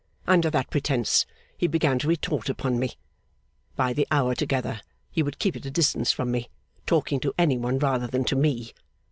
Under that pretence he began to retort upon me. By the hour together, he would keep at a distance from me, talking to any one rather than to me.